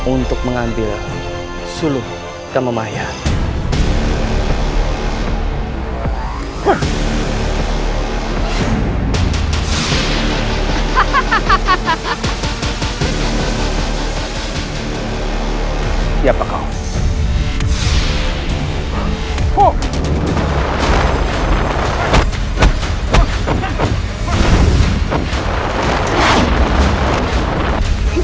untuk mengambil suluh dan memahami